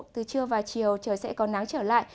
từ trưa và chiều trời sẽ có nắng trở lại